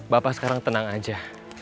bapak sekarang tenang aja